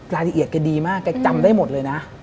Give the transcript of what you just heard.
รายละเอียดแกดีมากแกจำได้หมดเลยนะ